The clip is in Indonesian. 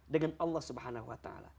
dengan allah swt